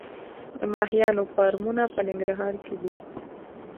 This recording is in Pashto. د ماهیانو فارمونه په ننګرهار کې دي